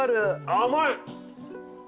甘い！